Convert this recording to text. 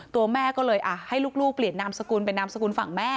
ตัวแม่ก็เลยให้ลูกเปลี่ยนนามสกุลเป็นนามสกุลฝั่งแม่